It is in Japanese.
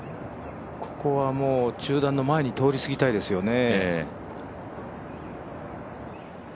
ここは中断の前に通り過ぎたいですよね。